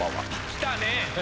来たね。